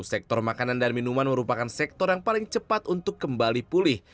sektor makanan dan minuman merupakan sektor yang paling cepat untuk kembali pulih